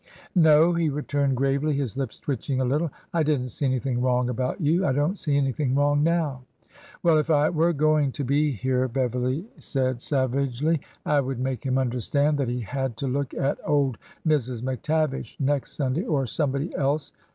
" No," he returned gravely, his lips twitching a little. " I did n't see anything wrong about you. I don't see anything wrong now." " Well, if I were going to be here," Beverly said sav 58 ORDER NO. 11 agely, I would make him understand that he had to look at old Mrs. McTavish next Sunday, or somebody else